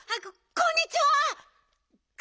こんにちは！